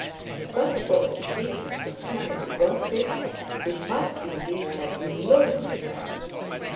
But for the sweetness of family gossip, it must indeed have been lonely there.